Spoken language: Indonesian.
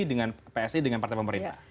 dengan psi dengan partai pemerintah